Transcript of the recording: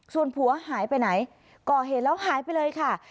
ส่วนผัวหายไปไหนก่อเหตุแล้วหายไปเลยค่ะ